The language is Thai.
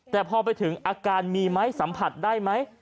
แต่พอไปถึงอาการมีไหมสัมผัสได้ไหม